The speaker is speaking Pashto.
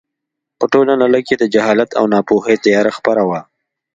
په ټوله نړۍ کې د جهالت او ناپوهۍ تیاره خپره وه.